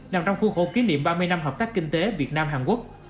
nằm trong khu khổ kỷ niệm ba mươi năm hợp tác kinh tế việt nam hàn quốc